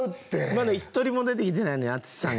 まだ１人も出てきてないねん